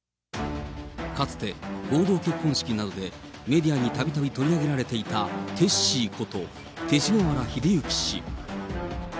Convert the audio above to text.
かつて、合同結婚式などでメディアにたびたび取り上げられていたテッシーこと、勅使河原秀行氏。